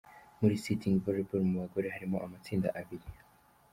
Muri sitting Volleyball mu bagore harimo amatsinda abiri.